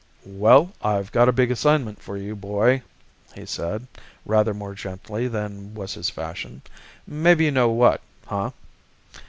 "Well, I've got a big assignment for you, boy," he said, rather more gently than was his fashion. "Maybe you know what, huh?"